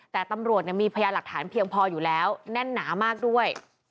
แต่ตำรวจมีพยานหลักฐานเพียงพออยู่แล้วแน่นหนามากด้วย